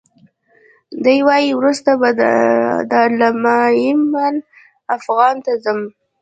دی وایي وروسته به دارالایمان افغان ته ځم.